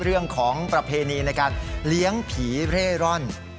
เรื่องของประเพณีในการเลี้ยงผีเร่ร่อน